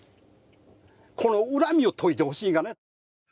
この恨みを解いてほしいがね。